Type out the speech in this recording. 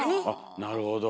あなるほど。